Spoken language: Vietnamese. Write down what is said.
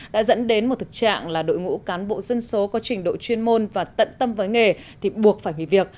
đã dẫn đến một thực trạng là đội ngũ cán bộ dân số có trình độ chuyên môn và tận tâm với nghề thì buộc phải nghỉ việc